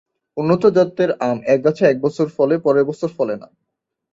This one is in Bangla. উন্নত জাতের আম এক গাছে এক বছর ফলে, পরের বছর ফলে না।